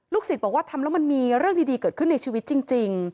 ศิษย์บอกว่าทำแล้วมันมีเรื่องดีเกิดขึ้นในชีวิตจริง